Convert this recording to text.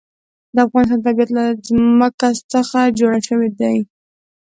د افغانستان طبیعت له ځمکه څخه جوړ شوی دی.